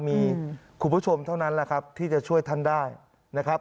มีคุณผู้ชมเท่านั้นแหละครับที่จะช่วยท่านได้นะครับ